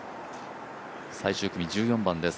最終組１４番です。